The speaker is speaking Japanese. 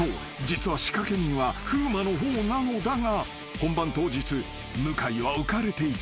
実は仕掛け人は風磨の方なのだが本番当日向井は浮かれていた］